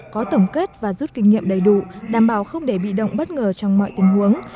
có tổng kết và rút kinh nghiệm đầy đủ đảm bảo không để bị động bất ngờ trong mọi tình huống